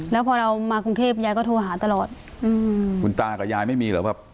แล้วพอเรามากรุงเทพยายก็โทรหาตลอดอืมคุณตากับยายไม่มีเหรอแบบ